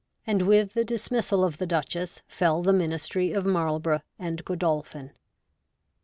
and with the dismissal of the Duchess fell the Ministry of Marlborough and Godolphin.